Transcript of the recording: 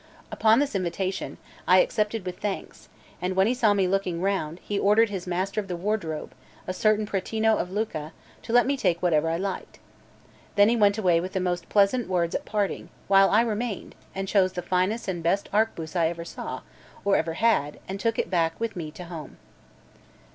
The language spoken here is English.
Upon this invitation, I accepted with thanks; and when he saw me looking round, he ordered his Master of the Wardrobe, a certain Pretino of Lucca, to let me take whatever I liked. Then he went away with the most pleasant words at parting, while I remained, and chose the finest and best arquebuse I ever saw, or ever had, and took it back with me to home.